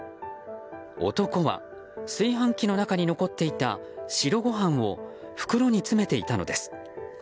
男は炊飯器の中に残っていた白ご飯を袋に詰めていたのです。